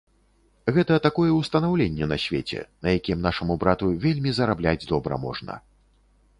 Гэта такое ўстанаўленне на свеце, на якім нашаму брату вельмі зарабляць добра можна.